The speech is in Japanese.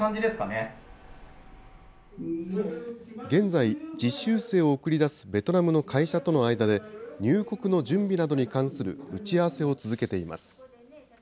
現在、実習生を送り出すベトナムの会社との間で、入国の準備などに関する打ち合わせを続けています。